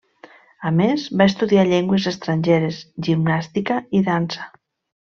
A més, va estudiar llengües estrangeres, gimnàstica i dansa.